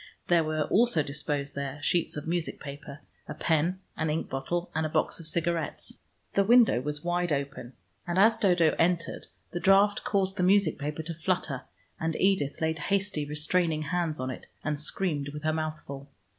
There were also disposed there sheets of music paper, a pen and ink bottle, and a box of cigarettes. The window was wide open, and as Dodo entered the draught caused the music paper to flutter, and Edith laid hasty restraining hands on it, and screamed with her mouth full.